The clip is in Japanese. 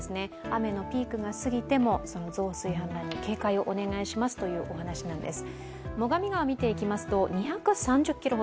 雨のピークが過ぎても、増水・氾濫に警戒をお願いしますというお話なんです。